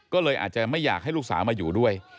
ก็เลยอาจจะไม่อยากให้ลูกสาวมาอยู่ด้วย